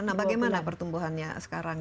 nah bagaimana pertumbuhannya sekarang